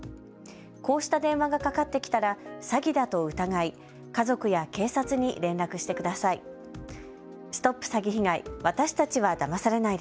こうした電話がかかってきたら詐欺だと疑い家族や警察に連絡してください。